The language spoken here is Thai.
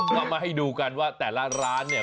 ก็มาให้ดูกันว่าแต่ละร้านเนี่ย